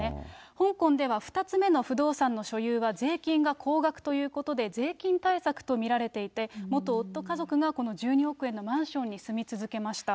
香港では２つ目の不動産の所有は税金が高額ということで、税金対策と見られていて、元夫家族が、この１２億円のマンションに住み続けました。